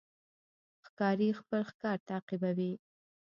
ښکاري خپل ښکار تعقیبوي.